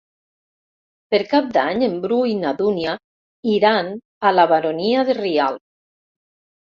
Per Cap d'Any en Bru i na Dúnia iran a la Baronia de Rialb.